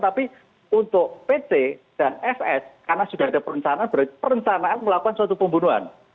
tapi untuk pt dan fs karena sudah ada perencanaan berarti perencanaan melakukan suatu pembunuhan